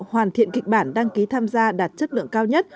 hoàn thiện kịch bản đăng ký tham gia đạt chất lượng cao nhất